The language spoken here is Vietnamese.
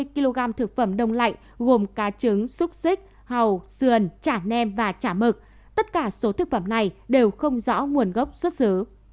một trăm năm mươi kg thực phẩm đông lạnh gồm cá trứng xúc xích hàu sườn chả nem và chả mực tất cả số thực phẩm này đều không rõ nguồn gốc xuất xứ